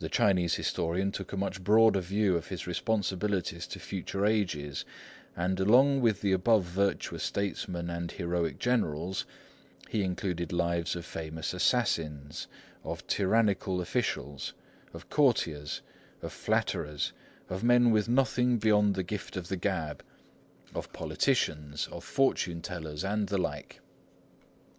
The Chinese historian took a much broader view of his responsibilities to future ages, and along with the above virtuous statesmen and heroic generals he included lives of famous assassins, of tyrannical officials, of courtiers, of flatterers, of men with nothing beyond the gift of the gab, of politicians, of fortune tellers, and the like.